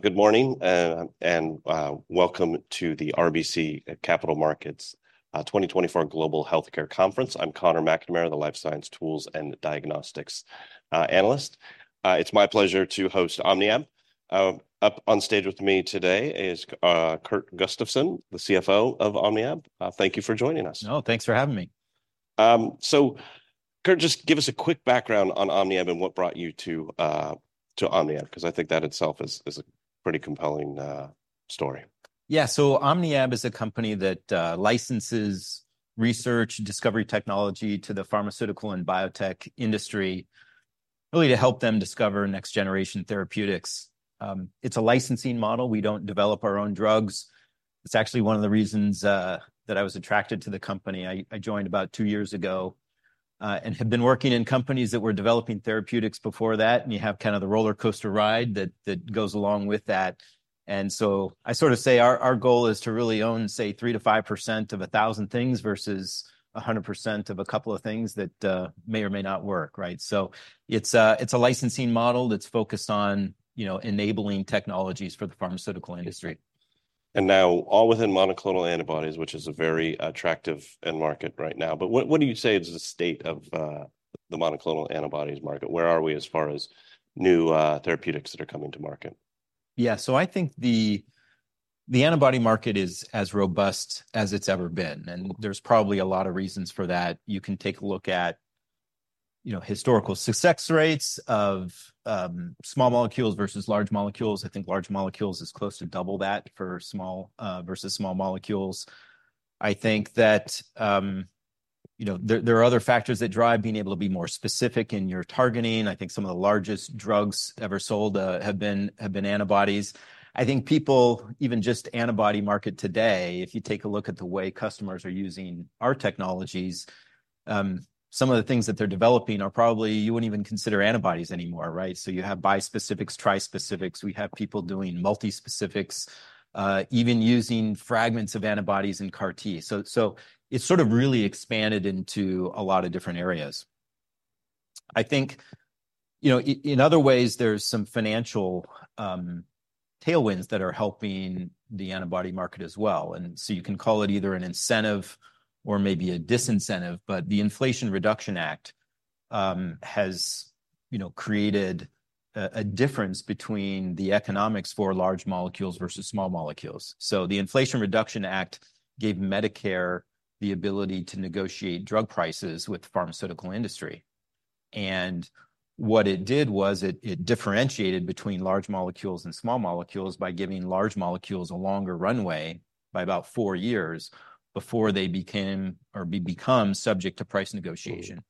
Good morning, and welcome to the RBC Capital Markets 2024 Global Healthcare Conference. I'm Connor McNamara, the Life Science Tools and Diagnostics analyst. It's my pleasure to host OmniAb. Up on stage with me today is Kurt Gustafson, the CFO of OmniAb. Thank you for joining us. No, thanks for having me. Kurt, just give us a quick background on OmniAb and what brought you to OmniAb, because I think that itself is a pretty compelling story. Yeah, so OmniAb is a company that licenses research and discovery technology to the pharmaceutical and biotech industry, really to help them discover next-generation therapeutics. It's a licensing model. We don't develop our own drugs. It's actually one of the reasons that I was attracted to the company. I joined about two years ago, and have been working in companies that were developing therapeutics before that, and you have kind of the rollercoaster ride that goes along with that. So I sort of say our goal is to really own, say, 3%-5% of 1,000 things versus 100% of a couple of things that may or may not work, right? So it's a licensing model that's focused on, you know, enabling technologies for the pharmaceutical industry. Now all within monoclonal antibodies, which is a very attractive end market right now. But what, what do you say is the state of the monoclonal antibodies market? Where are we as far as new therapeutics that are coming to market? Yeah, so I think the, the antibody market is as robust as it's ever been, and there's probably a lot of reasons for that. You can take a look at, you know, historical success rates of, small molecules versus large molecules. I think large molecules is close to double that for small, versus small molecules. I think that, you know, there are other factors that drive being able to be more specific in your targeting. I think some of the largest drugs ever sold, have been, have been antibodies. I think people, even just antibody market today, if you take a look at the way customers are using our technologies, some of the things that they're developing are probably you wouldn't even consider antibodies anymore, right? So you have bispecifics, trispecifics. We have people doing multispecifics, even using fragments of antibodies in CAR-T. So, it's sort of really expanded into a lot of different areas. I think, you know, in other ways, there's some financial tailwinds that are helping the antibody market as well. And so you can call it either an incentive or maybe a disincentive, but the Inflation Reduction Act has, you know, created a difference between the economics for large molecules versus small molecules. So the Inflation Reduction Act gave Medicare the ability to negotiate drug prices with the pharmaceutical industry. And what it did was it differentiated between large molecules and small molecules by giving large molecules a longer runway by about four years before they became or become subject to price negotiation.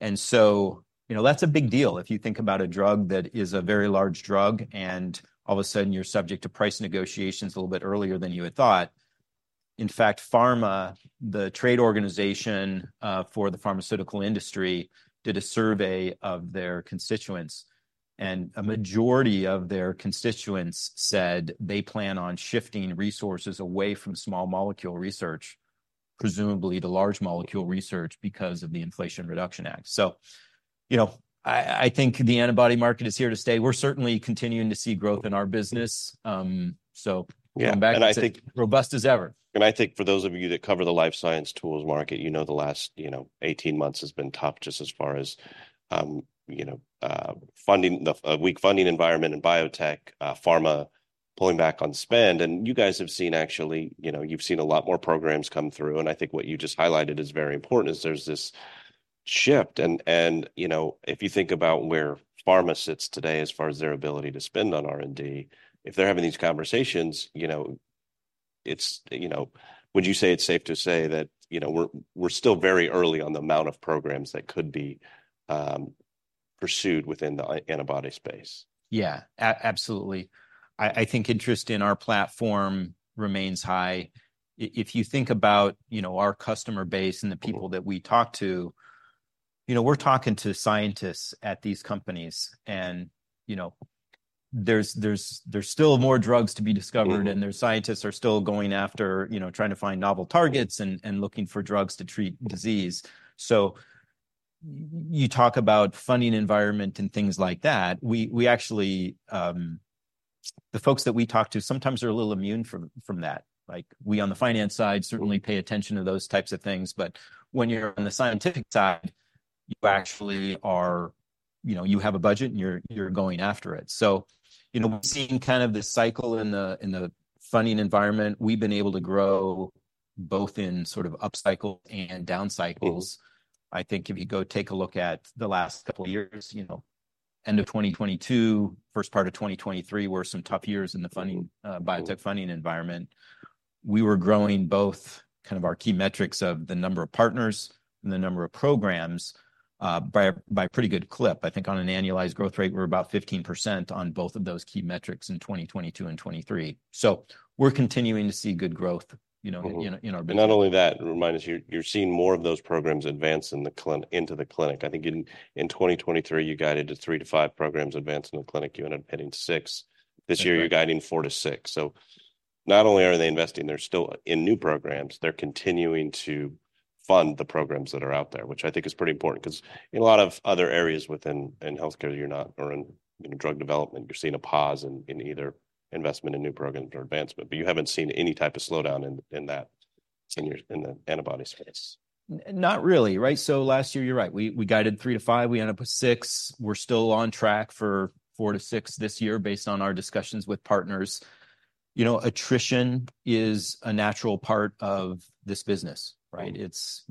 And so, you know, that's a big deal if you think about a drug that is a very large drug, and all of a sudden you're subject to price negotiations a little bit earlier than you had thought. In fact, PhRMA, the trade organization for the pharmaceutical industry, did a survey of their constituents, and a majority of their constituents said they plan on shifting resources away from small molecule research, presumably to large molecule research, because of the Inflation Reduction Act. So, you know, I think the antibody market is here to stay. We're certainly continuing to see growth in our business, so going back to robust as ever. And I think, and I think for those of you that cover the Life Science Tools market, you know, the last, you know, 18 months has been tough just as far as, you know, funding, the weak funding environment in biotech, pharma pulling back on spend. And you guys have seen actually, you know, you've seen a lot more programs come through. And I think what you just highlighted is very important is there's this shift. And, and, you know, if you think about where pharma sits today as far as their ability to spend on R&D, if they're having these conversations, you know, would you say it's safe to say that we're still very early on the amount of programs that could be pursued within the antibody space? Yeah, absolutely. I think interest in our platform remains high. If you think about, you know, our customer base and the people that we talk to, you know, we're talking to scientists at these companies and, you know, there's still more drugs to be discovered and scientists are still going after trying to find novel targets and looking for drugs to treat disease. So you talk about funding environment and things like that. We actually, the folks that we talk to sometimes are a little immune from that. Like we on the finance side certainly pay attention to those types of things, but when you're on the scientific side, you actually are, you know, you have a budget and you're going after it. So, you know, we've seen kind of this cycle in the funding environment. We've been able to grow both in sort of upcycles and downcycles. I think if you go take a look at the last couple of years, you know, end of 2022, first part of 2023 were some tough years in the funding, biotech funding environment. We were growing both kind of our key metrics of the number of partners and the number of programs by pretty good clip. I think on an annualized growth rate, we're about 15% on both of those key metrics in 2022 and 2023. So we're continuing to see good growth, you know, in our business. Not only that, remind us, you're seeing more of those programs advance in the clinic into the clinic. I think in 2023, you guided to 3-5 programs advance in the clinic. You ended up hitting 6. This year, you're guiding 4-6. So not only are they investing, they're still in new programs. They're continuing to fund the programs that are out there, which I think is pretty important because in a lot of other areas within healthcare, you're not, or in, you know, drug development, you're seeing a pause in either investment in new programs or advancement, but you haven't seen any type of slowdown in that in your antibody space. Not really, right? So last year, you're right. We guided 3-5. We ended up with 6. We're still on track for 4-6 this year based on our discussions with partners. You know, attrition is a natural part of this business, right? It's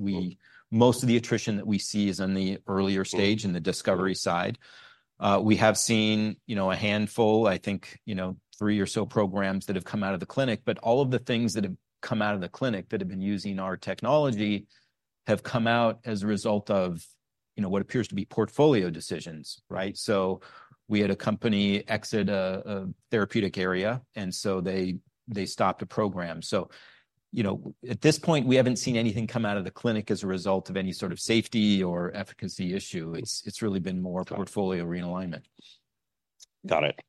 most of the attrition that we see is on the earlier stage in the discovery side. We have seen, you know, a handful, I think, you know, 3 or so programs that have come out of the clinic, but all of the things that have come out of the clinic that have been using our technology have come out as a result of, you know, what appears to be portfolio decisions, right? So we had a company exit a therapeutic area and so they stopped a program. So, you know, at this point, we haven't seen anything come out of the clinic as a result of any sort of safety or efficacy issue. It's, it's really been more portfolio realignment. Got it.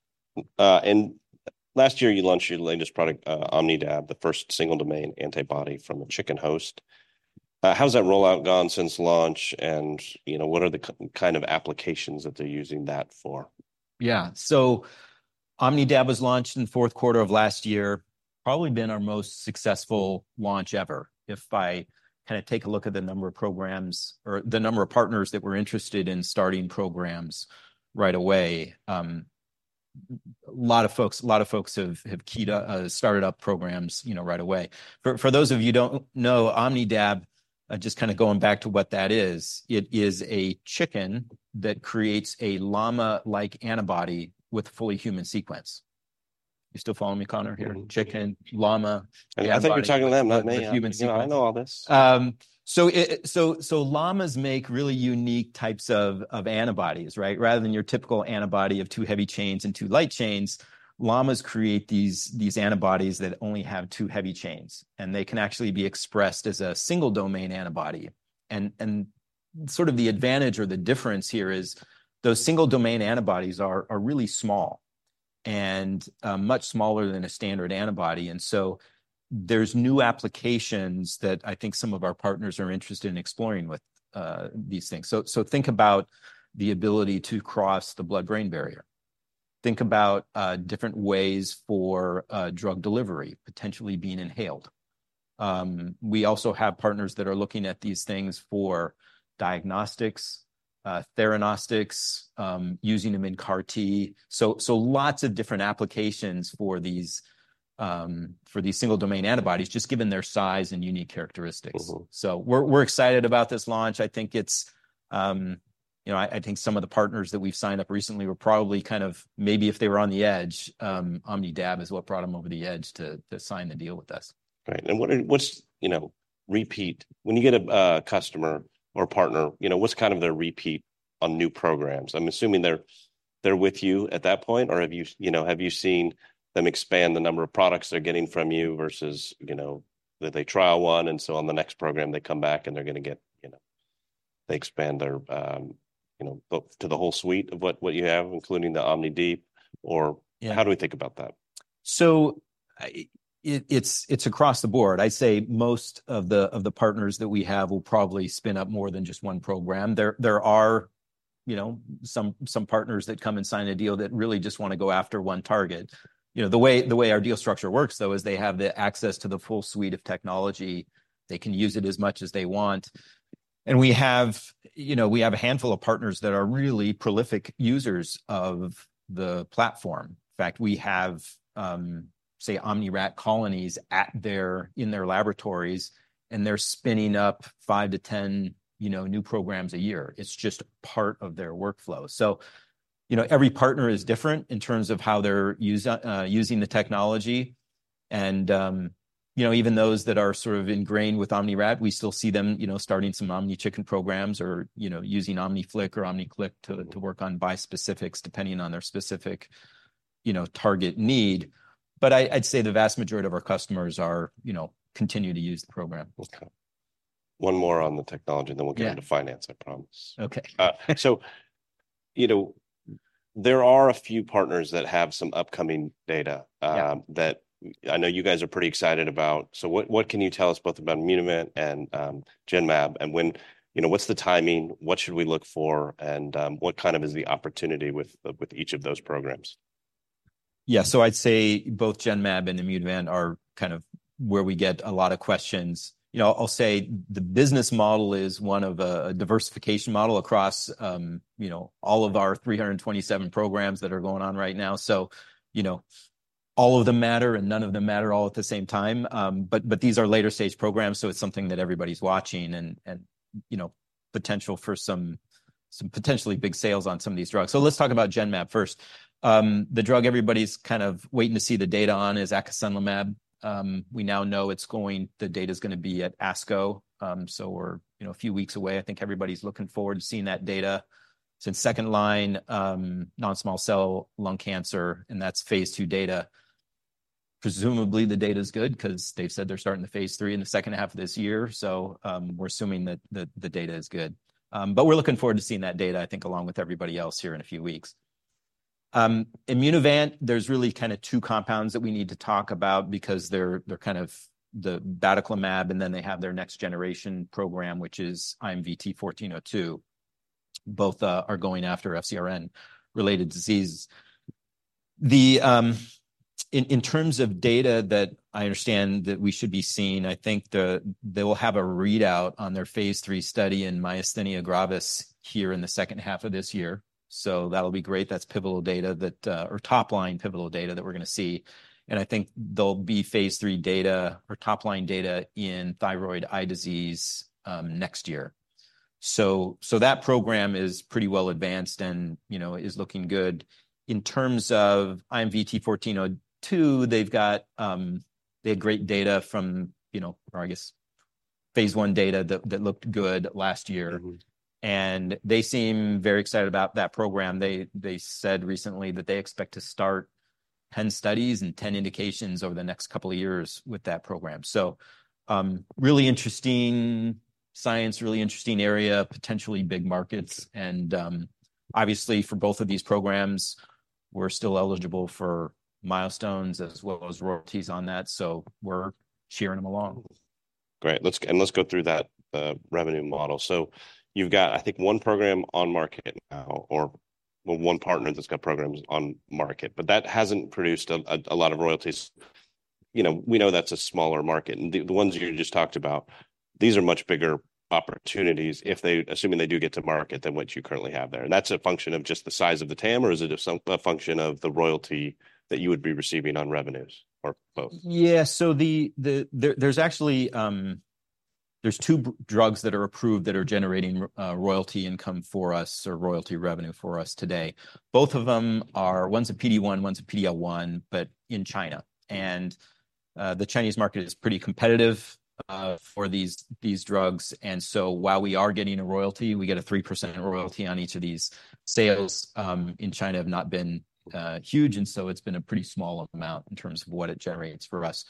Last year you launched your latest product, OmnidAb, the first single domain antibody from a chicken host. How's that rollout gone since launch and, you know, what are the kind of applications that they're using that for? Yeah, so OmnidAb was launched in the fourth quarter of last year, probably been our most successful launch ever. If I kind of take a look at the number of programs or the number of partners that were interested in starting programs right away, a lot of folks, a lot of folks have, have keyed up, started up programs, you know, right away. For, for those of you who don't know OmnidAb, just kind of going back to what that is, it is a chicken that creates a llama-like antibody with fully human sequence. You still following me, Connor, here? Chicken, Llama. I think you're talking to them, not me. You know, I know all this. So llamas make really unique types of antibodies, right? Rather than your typical antibody of two heavy chains and two light chains, llamas create these antibodies that only have two heavy chains. And they can actually be expressed as a single domain antibody. And sort of the advantage or the difference here is those single domain antibodies are really small and much smaller than a standard antibody. And so there are new applications that I think some of our partners are interested in exploring with these things. So think about the ability to cross the blood-brain barrier. Think about different ways for drug delivery potentially being inhaled. We also have partners that are looking at these things for diagnostics, theranostics, using them in CAR-T. So, lots of different applications for these single-domain antibodies, just given their size and unique characteristics. So we're excited about this launch. I think it's, you know, I think some of the partners that we've signed up recently were probably kind of, maybe if they were on the edge, OmnidAb is what brought them over the edge to sign the deal with us. Right. And what's, you know, repeat when you get a customer or partner, you know, what's kind of their repeat on new programs? I'm assuming they're with you at that point, or have you seen them expand the number of products they're getting from you versus that they trial one and so on the next program they come back and they're going to get, you know, they expand their both to the whole suite of what you have, including the OmniDeep, or how do we think about that? So it's across the board. I'd say most of the partners that we have will probably spin up more than just one program. There are, you know, some partners that come and sign a deal that really just want to go after one target. You know, the way our deal structure works, though, is they have the access to the full suite of technology. They can use it as much as they want. And we have, you know, a handful of partners that are really prolific users of the platform. In fact, we have, say, OmniRat colonies in their laboratories. And they're spinning up 5-10, you know, new programs a year. It's just part of their workflow. So, you know, every partner is different in terms of how they're using the technology. You know, even those that are sort of ingrained with OmniRat, we still see them, you know, starting some OmniChicken programs or, you know, using OmniFlic or OmniClic to work on bispecifics depending on their specific, you know, target need. But I'd say the vast majority of our customers are, you know, continue to use the program. Okay. One more on the technology and then we'll get into finance, I promise. Okay. So, you know, there are a few partners that have some upcoming data that I know you guys are pretty excited about. So what can you tell us both about Immunovant and Genmab and when, you know, what's the timing, what should we look for, and what kind of is the opportunity with each of those programs? Yeah, so I'd say both Genmab and Immunovant are kind of where we get a lot of questions. You know, I'll say the business model is one of a diversification model across, you know, all of our 327 programs that are going on right now. So, you know, all of them matter and none of them matter all at the same time. But these are later-stage programs. So it's something that everybody's watching and, you know, potential for some potentially big sales on some of these drugs. So let's talk about Genmab first. The drug everybody's kind of waiting to see the data on is acasunlimab. We now know it's going, the data's going to be at ASCO. So we're, you know, a few weeks away. I think everybody's looking forward to seeing that data. It's in second line, non-small cell lung cancer, and that's phase II data. Presumably the data's good because they've said they're starting the phase III in the second half of this year. So, we're assuming that the data is good. But we're looking forward to seeing that data, I think, along with everybody else here in a few weeks. Immunovant, there's really kind of two compounds that we need to talk about because they're the batoclimab and then they have their next-generation program, which is IMVT-1402. Both are going after FcRn-related diseases. In terms of data that I understand that we should be seeing, I think they will have a readout on their phase III study in myasthenia gravis here in the second half of this year. So that'll be great. That's pivotal data that, or topline pivotal data that we're going to see. And I think there'll be phase III data or topline data in thyroid eye disease, next year. So that program is pretty well advanced and, you know, is looking good. In terms of IMVT-1402, they've got, they had great data from, you know, or I guess phase I data that, that looked good last year. And they seem very excited about that program. They, they said recently that they expect to start 10 studies and 10 indications over the next couple of years with that program. So, really interesting science, really interesting area, potentially big markets. And, obviously, for both of these programs, we're still eligible for milestones as well as royalties on that. So we're cheering them along. Great. Let's go through that revenue model. So you've got, I think, one program on market now or one partner that's got programs on market, but that hasn't produced a lot of royalties. You know, we know that's a smaller market, and the ones you just talked about. These are much bigger opportunities if they, assuming they do get to market than what you currently have there. And that's a function of just the size of the TAM or is it a function of the royalty that you would be receiving on revenues or both? Yeah, so there's actually two drugs that are approved that are generating royalty income for us or royalty revenue for us today. Both of them are ones at PD-1, ones at PD-L1, but in China. And the Chinese market is pretty competitive for these drugs. And so while we are getting a royalty, we get a 3% royalty on each of these sales in China have not been huge. And so it's been a pretty small amount in terms of what it generates for us.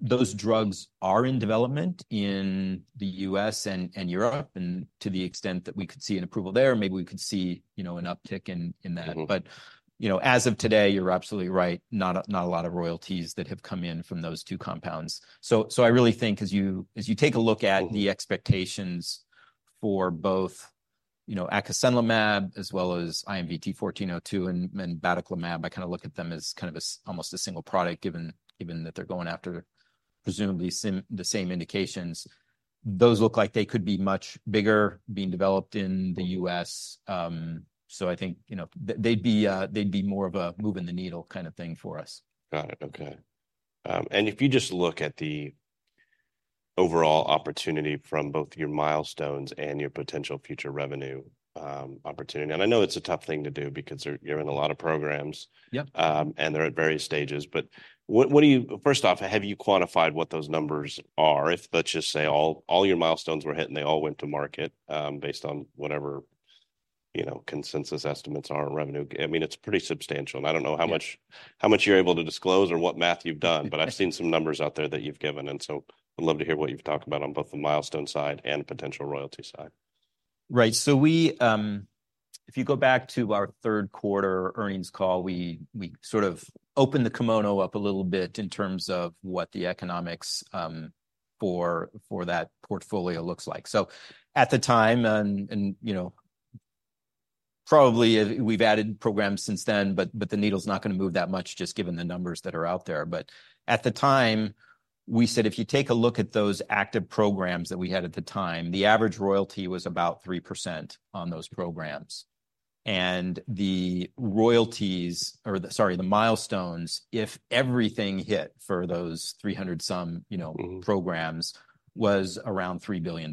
Those drugs are in development in the U.S. and Europe, and to the extent that we could see an approval there, maybe we could see, you know, an uptick in that. But you know, as of today, you're absolutely right. Not a lot of royalties that have come in from those two compounds. So, I really think as you take a look at the expectations for both, you know, acasunlimab as well as IMVT-1402 and batoclimab, I kind of look at them as kind of almost a single product given that they're going after presumably the same indications. Those look like they could be much bigger being developed in the U.S. So I think, you know, they'd be more of a moving the needle kind of thing for us. Got it. Okay. If you just look at the overall opportunity from both your milestones and your potential future revenue opportunity. And I know it's a tough thing to do because you're in a lot of programs. Yeah And they're at various stages, but what do you, first off, have you quantified what those numbers are? If let's just say all, all your milestones were hit, and they all went to market, based on whatever, you know, consensus estimates are on revenue. I mean, it's pretty substantial. And I don't know how much, how much you're able to disclose or what math you've done, but I've seen some numbers out there that you've given. And so I'd love to hear what you've talked about on both the milestone side and potential royalty side. Right. So we, if you go back to our third quarter earnings call, we sort of opened the kimono up a little bit in terms of what the economics for that portfolio looks like. So at the time, and you know, probably we've added programs since then, but the needle's not going to move that much just given the numbers that are out there. But at the time, we said if you take a look at those active programs that we had at the time, the average royalty was about 3% on those programs. And the royalties or the, sorry, the milestones, if everything hit for those 300-some, you know, programs was around $3 billion.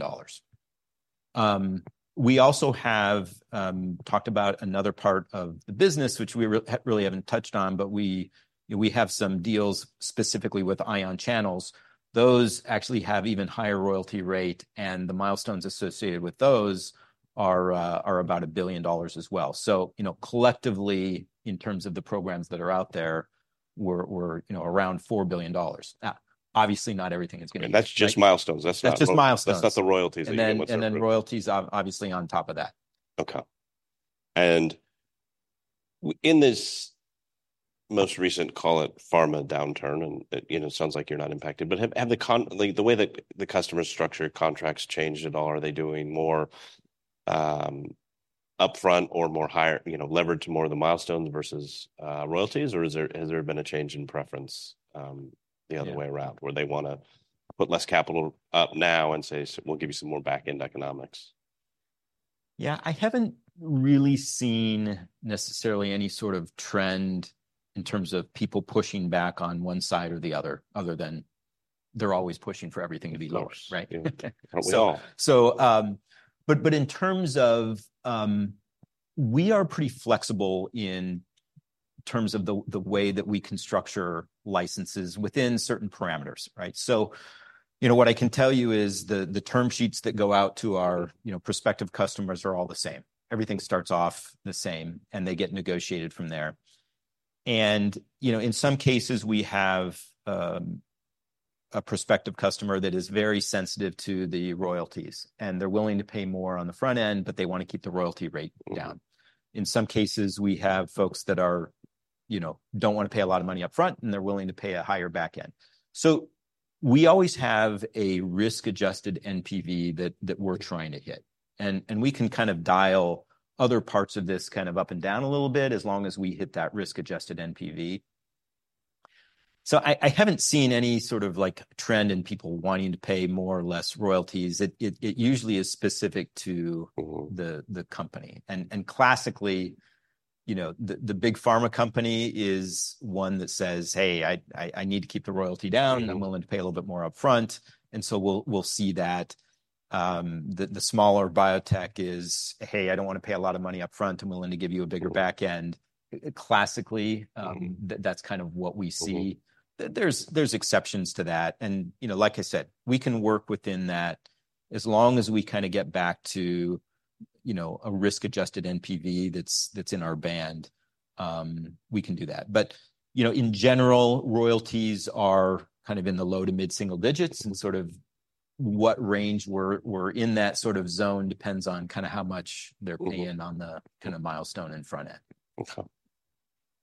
We also have talked about another part of the business, which we really haven't touched on, but we have some deals specifically with ion channels. Those actually have even higher royalty rate. And the milestones associated with those are about $1 billion as well. So, you know, collectively, in terms of the programs that are out there, we're around $4 billion. Now, obviously not everything is going to be. That's just milestones. That's not. That's just milestones. That's not the royalties that you're going to. And then royalties, obviously on top of that. Okay. And in this most recent, call it pharma downturn, and it, you know, sounds like you're not impacted, but has the, like, the way that the customer structure contracts changed at all? Are they doing more upfront or more higher, you know, leverage to more of the milestones versus royalties, or has there been a change in preference the other way around where they want to put less capital up now and say, we'll give you some more backend economics? Yeah, I haven't really seen necessarily any sort of trend in terms of people pushing back on one side or the other than they're always pushing for everything to be lower, right? But in terms of, we are pretty flexible in terms of the way that we can structure licenses within certain parameters, right? So, you know, what I can tell you is the term sheets that go out to our, you know, prospective customers are all the same. Everything starts off the same, and they get negotiated from there. And, you know, in some cases, we have a prospective customer that is very sensitive to the royalties, and they're willing to pay more on the front end, but they want to keep the royalty rate down. In some cases, we have folks that are, you know, don't want to pay a lot of money upfront, and they're willing to pay a higher backend. So we always have a risk-adjusted NPV that we're trying to hit. We can kind of dial other parts of this kind of up and down a little bit as long as we hit that risk-adjusted NPV. So I haven't seen any sort of like trend in people wanting to pay more or less royalties. It usually is specific to the company. And classically, you know, the big pharma company is one that says, hey, I need to keep the royalty down. I'm willing to pay a little bit more upfront. And so we'll see that. The smaller biotech is, hey, I don't want to pay a lot of money upfront. I'm willing to give you a bigger backend. Classically, that's kind of what we see. There are exceptions to that. You know, like I said, we can work within that as long as we kind of get back to, you know, a risk-adjusted NPV that's in our band. We can do that. But, you know, in general, royalties are kind of in the low- to mid-single digits and sort of what range we're in that sort of zone depends on kind of how much they're paying on the kind of milestone in front end. Okay.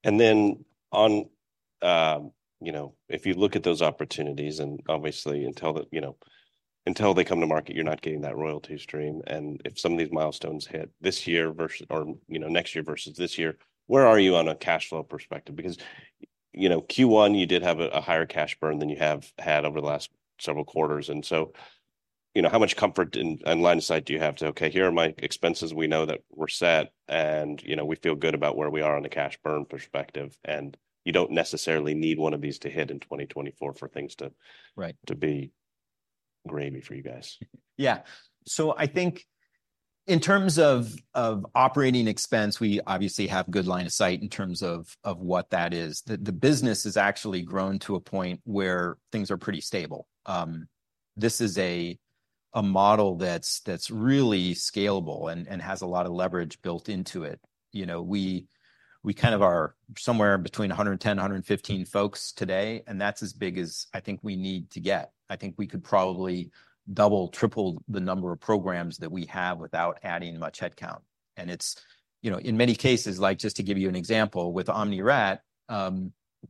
And then on, you know, if you look at those opportunities and obviously until that, you know, until they come to market, you're not getting that royalty stream. And if some of these milestones hit this year versus, or next year versus this year, where are you on a cash flow perspective? Because, you know, Q1, you did have a higher cash burn than you have had over the last several quarters. And so, you know, how much comfort and line of sight do you have to, okay, here are my expenses. We know that we're set. And, you know, we feel good about where we are on the cash burn perspective. And you don't necessarily need one of these to hit in 2024 for things to, right, to be gravy for you guys? Yeah. So I think in terms of operating expense, we obviously have good line of sight in terms of what that is. The, the business has actually grown to a point where things are pretty stable. This is a, a model that's, that's really scalable and has a lot of leverage built into it. You know, we, we kind of are somewhere between 110, 115 folks today. And that's as big as I think we need to get. I think we could probably double, triple the number of programs that we have without adding much headcount. And it's, you know, in many cases, like just to give you an example with OmniAb,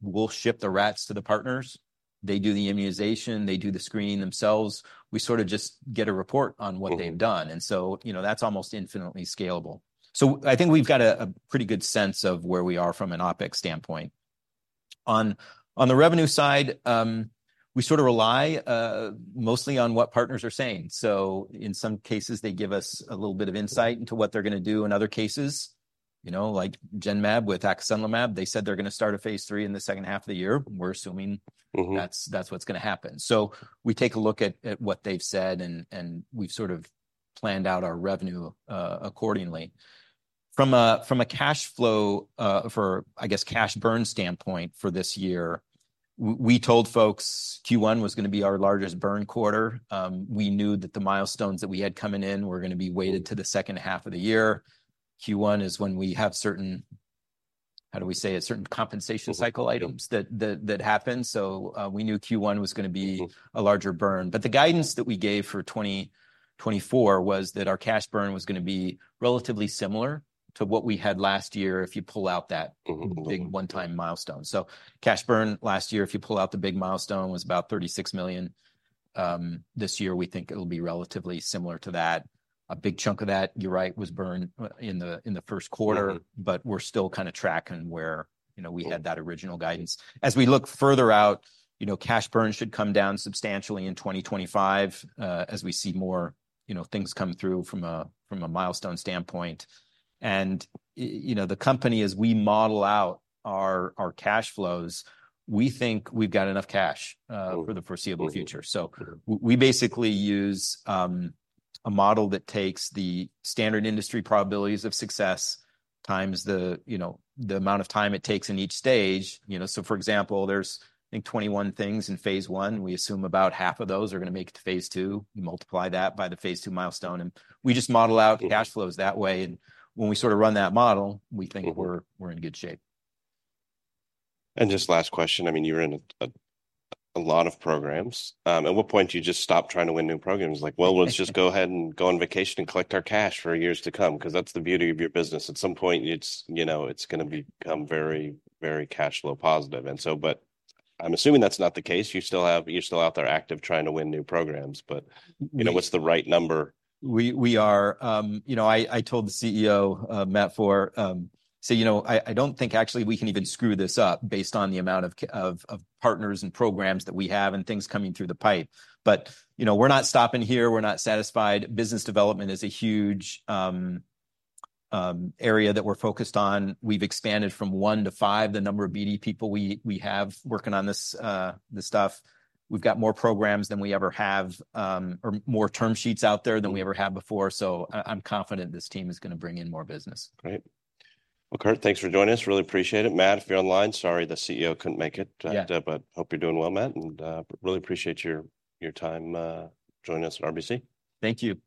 we'll ship the rats to the partners. They do the immunization. They do the screening themselves. We sort of just get a report on what they've done. And so, you know, that's almost infinitely scalable. So I think we've got a pretty good sense of where we are from an OpEx standpoint. On the revenue side, we sort of rely mostly on what partners are saying. So in some cases, they give us a little bit of insight into what they're going to do in other cases. You know, like Genmab with acasunlimab, they said they're going to start a phase III in the second half of the year. We're assuming that's what's going to happen. So we take a look at what they've said and we've sort of planned out our revenue accordingly. From a cash flow, for I guess cash burn standpoint for this year, we told folks Q1 was going to be our largest burn quarter. We knew that the milestones that we had coming in were going to be weighted to the second half of the year. Q1 is when we have certain, how do we say it, certain compensation cycle items that happen. So, we knew Q1 was going to be a larger burn. But the guidance that we gave for 2024 was that our cash burn was going to be relatively similar to what we had last year if you pull out that big one-time milestone. So cash burn last year, if you pull out the big milestone, was about $36 million. This year, we think it'll be relatively similar to that. A big chunk of that, you're right, was burned in the first quarter, but we're still kind of tracking where, you know, we had that original guidance. As we look further out, you know, cash burn should come down substantially in 2025, as we see more, things come through from a milestone standpoint. And, the company, as we model out our cash flows, we think we've got enough cash, for the foreseeable future. So we basically use a model that takes the standard industry probabilities of success times the amount of time it takes in each stage. You know, so for example, there's, I think, 21 things in phase one. We assume about half of those are going to make it to phase II. You multiply that by the phase two milestone. And we just model out cash flows that way. And when we sort of run that model, we think we're in good shape. Just last question. I mean, you were in a lot of programs. At what point do you just stop trying to win new programs? Like, well, let's just go ahead and go on vacation and collect our cash for years to come because that's the beauty of your business. At some point, it's, you know, it's going to become very, very cash flow positive. And so, but I'm assuming that's not the case. You still have, you're still out there active trying to win new programs, but you know, what's the right number? We are, you know, I told the CEO, Matt Foehr, you know, I don't think actually we can even screw this up based on the amount of partners and programs that we have and things coming through the pipe. But, you know, we're not stopping here. We're not satisfied. Business development is a huge area that we're focused on. We've expanded from one to five the number of BD people we have working on this stuff. We've got more programs than we ever have, or more term sheets out there than we ever had before. So I'm confident this team is going to bring in more business. Great. Well, Kurt, thanks for joining us. Really appreciate it. Matt, if you're online, sorry, the CEO couldn't make it, but hope you're doing well, Matt. Really appreciate your time, joining us at RBC. Thank you.